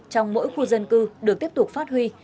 trong mỗi khu dân cư được tiếp tục phát huy